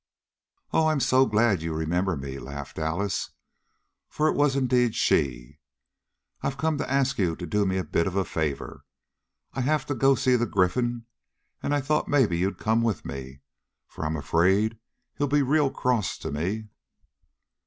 "Oh, I'm so glad you remember me!" laughed Alice, for it was indeed she. "I've come to ask you to do me a bit of a favor. I have to go see the Gryphon, and I thought maybe you'd come with me, for I'm afraid he'll be real cross to me."